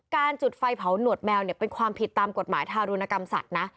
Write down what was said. จุดไฟเผาหนวดแมวเป็นความผิดตามกฎหมายทารุณกรรมสัตว์นะ